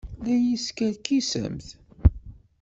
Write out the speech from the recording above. La yi-teskerkisemt?